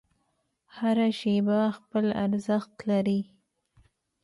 هره شیبه خپل ارزښت لري.